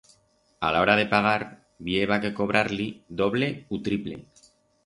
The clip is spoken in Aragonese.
A la hora de pagar bi heba que cobrar-li doble u triple.